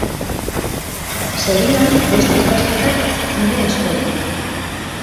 Segidan, beste ikasketak zine eskolan.